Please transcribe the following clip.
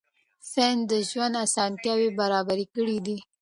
ساینس د ژوند اسانتیاوې برابرې کړې دي.